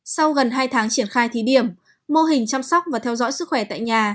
sau gần hai tháng triển khai thí điểm mô hình chăm sóc và theo dõi sức khỏe tại nhà